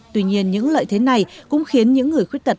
tuy nhiên những lợi thế này cũng khiến những người khuyết tật